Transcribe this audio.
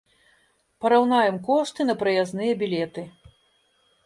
Параўнаем кошты на праязныя білеты.